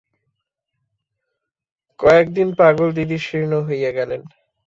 কয়েকদিনে পাগলদিদি শীর্ণ হইয়া গেলেন।